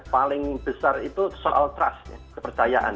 paling besar itu soal trust kepercayaan